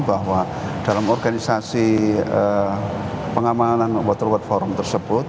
bahwa dalam organisasi pengamanan wwf tersebut